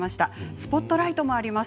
スポットライトもあります。